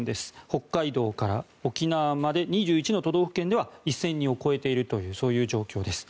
北海道から沖縄までで２１の都道府県では１０００人を超えているという状況です。